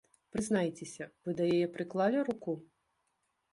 Прызнайцеся, вы да яе прыклалі руку?